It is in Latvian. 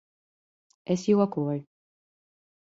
Es jokoju.